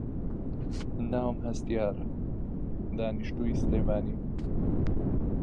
هەر وەک جارانە.